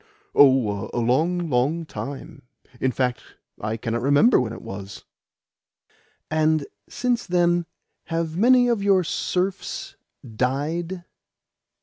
"Oh, a long, long time. In fact, I cannot remember when it was." "And since then have many of your serfs died?"